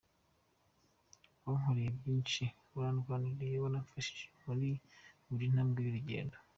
Wankoreye byinshi, warandwaniriye, waramfashije muri buri ntambwe y’urugendo.